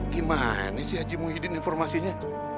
gimana sih aji muhyiddin informasinya